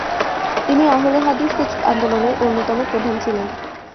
তিনি আহলে হাদিস আন্দোলনের অন্যতম প্রধান ছিলেন।